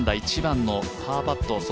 １番のパーパット